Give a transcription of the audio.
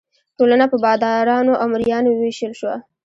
ټولنه په بادارانو او مرئیانو وویشل شوه.